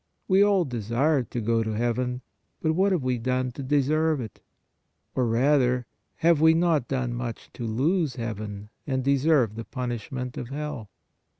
We all desire to go to heaven, but what have we done to deserve it? Or rather, have we not done much to lose heaven and deserve the punishment of hell?